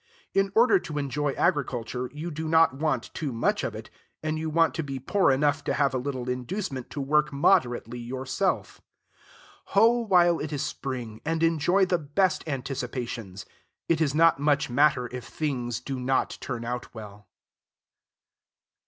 In order to enjoy agriculture, you do not want too much of it, and you want to be poor enough to have a little inducement to work moderately yourself. Hoe while it is spring, and enjoy the best anticipations. It is not much matter if things do not turn out well.